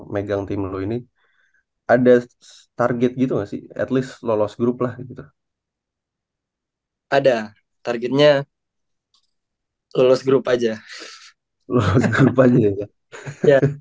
megang tim lu ini ada target kita sih at least lolos group lah military ada tarclipnya lulus grup aja